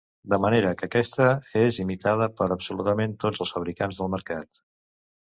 De manera que aquesta és imitada per absolutament tots els fabricants del mercat.